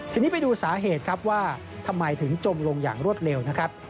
ทีนี้ไปดูสาเหตุครับว่าทำไมถึงจมลงอย่างรวดเร็วนะครับ